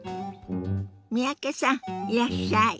三宅さんいらっしゃい。